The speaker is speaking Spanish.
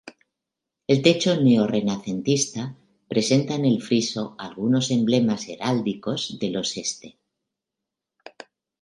El techo neo-renacentista, presenta en el friso algunos emblemas heráldicos de los Este.